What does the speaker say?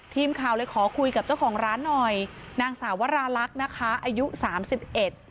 ทีมข่าวเลยขอคุยกับเจ้าของร้านหน่อยนางสาววราลักษณ์นะคะอายุสามสิบเอ็ด